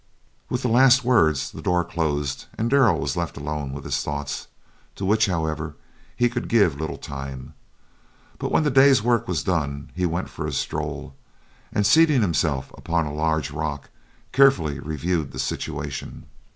With the last words the door closed and Darrell was left alone with his thoughts, to which, however, he could then give little time. But when the day's work was done he went for a stroll, and, seating himself upon a large rock, carefully reviewed the situation.